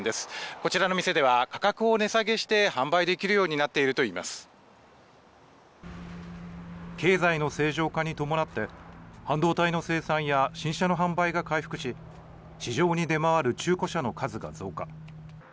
こちらの店では価格を値下げして販売できるようになっているとい経済の正常化に伴って、半導体の生産や新車の販売が回復し、市場に出回る中古車の数が増加。